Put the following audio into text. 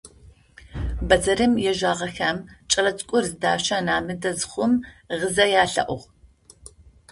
Бэдзэрым ежьагъэхэм кӏэлэцӏыкӏур зыдащэн амыдэ зэхъум гъызэ ялъэӏугъ.